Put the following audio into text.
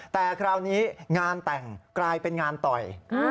แต่คราวนี้งานแต่งกลายเป็นงานต่อย